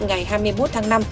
ngày hai mươi một tháng năm